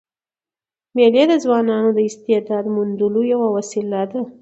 مېلې د ځوانانو د استعداد موندلو یوه وسیله ده.